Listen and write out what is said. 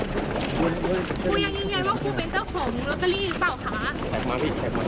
ครูยังยืนยันว่าครูเป็นเจ้าของลอตเตอรี่หรือเปล่าคะ